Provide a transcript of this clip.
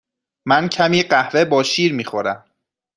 من کمی قهوه با شیر می خورم.